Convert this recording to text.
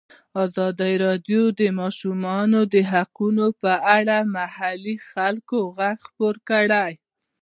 ازادي راډیو د د ماشومانو حقونه په اړه د محلي خلکو غږ خپور کړی.